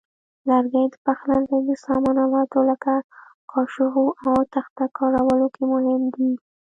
لرګي د پخلنځي د سامان آلاتو لکه کاشوغو او تخته کارولو کې مهم دي.